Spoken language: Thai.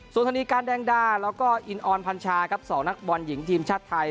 ส่วนธนีการแดงดาแล้วก็อินออนพันชาครับ๒นักบอลหญิงทีมชาติไทย